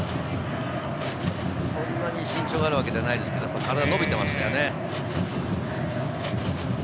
そんなに身長があるわけではないですけれど体が伸びていますね。